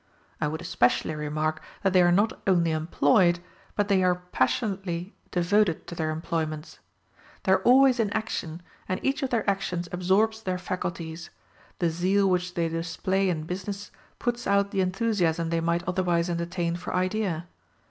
I would especially remark that they are not only employed, but that they are passionately devoted to their employments. They are always in action, and each of their actions absorbs their faculties: the zeal which they display in business puts out the enthusiasm they might otherwise entertain for idea.